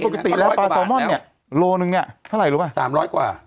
แต่ปกติแล้วพลาซาวม่อนเนี้ยโลนึงเนี้ยเท่าไรรู้ปะสามร้อยกว่า